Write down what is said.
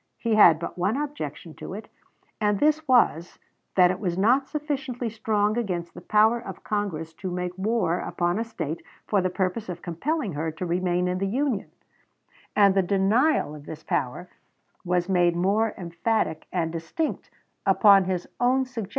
He had but one objection to it, and this was, that it was not sufficiently strong against the power of Congress to make war upon a State for the purpose of compelling her to remain in the Union; and the denial of this power was made more emphatic and distinct upon his own suggestion."